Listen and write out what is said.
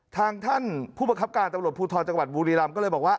ทางท่านผู้ประคับการตำรวจภูทรจังหวัดบุรีรำก็เลยบอกว่า